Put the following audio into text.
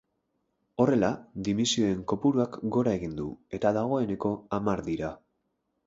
Horrela, dimisioen kopuruak gora egin du eta dagoeneko hamar dira.